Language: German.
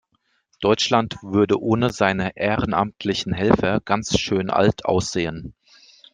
Deutschland würde ohne seine ehrenamtlichen Helfer ganz schön alt aussehen.